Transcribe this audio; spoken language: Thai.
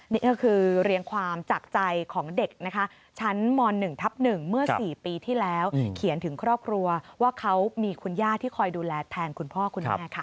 นี่ก็คือเรียงความจากใจของเด็กนะคะชั้นม๑ทับ๑เมื่อ๔ปีที่แล้วเขียนถึงครอบครัวว่าเขามีคุณย่าที่คอยดูแลแทนคุณพ่อคุณแม่ค่ะ